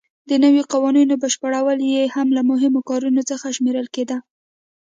د نویو قوانینو بشپړول یې هم له مهمو کارونو څخه شمېرل کېده.